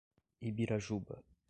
Ibirajuba